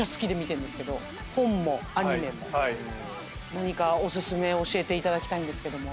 何かお薦め教えていただきたいんですけども。